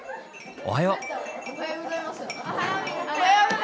おはよう。